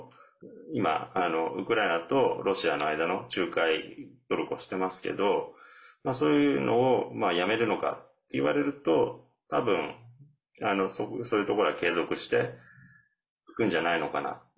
今、ウクライナとロシアの間の仲介をトルコがしていますけどそういうのをやめるのかっていわれると多分そういうところは継続していくんじゃないのかな。